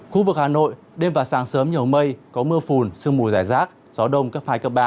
khu vực hà nội đêm và sáng sớm nhiều mây có mưa phùn sương mùi rải rác gió đông cấp hai ba